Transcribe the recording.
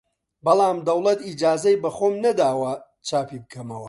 بەڵام دەوڵەت ئیجازەی بە خۆم نەداوە چاپی بکەمەوە!